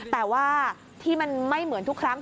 แต่ว่าที่มันไม่เหมือนทุกครั้ง